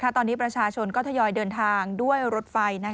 ตอนนี้ประชาชนก็ทยอยเดินทางด้วยรถไฟ